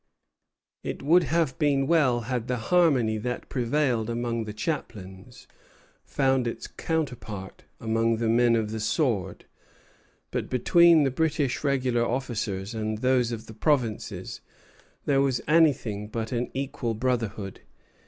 It would have been well had the harmony that prevailed among the chaplains found its counterpart among the men of the sword; but between the British regular officers and those of the provinces there was anything but an equal brotherhood.